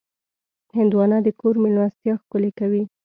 هندوانه د کور مېلمستیا ښکلې کوي.